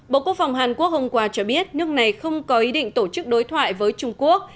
bộ quốc phòng hàn quốc hôm qua cho biết nước này không có ý định tổ chức đối thoại với trung quốc